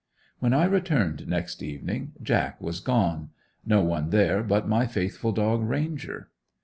When I returned next evening Jack was gone no one there but my faithful dog, Ranger.